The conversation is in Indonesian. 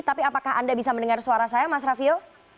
tapi apakah anda bisa mendengar suara saya mas raffio